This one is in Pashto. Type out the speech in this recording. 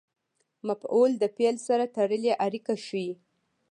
مفعول د فعل سره تړلې اړیکه ښيي.